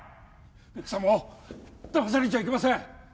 皆さんもだまされちゃいけません